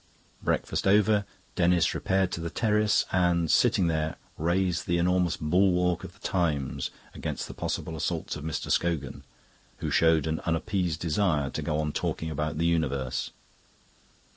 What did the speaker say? Breakfast over, Denis repaired to the terrace, and, sitting there, raised the enormous bulwark of the "Times" against the possible assaults of Mr. Scogan, who showed an unappeased desire to go on talking about the Universe.